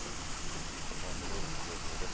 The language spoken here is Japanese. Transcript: かわって道路の情報です。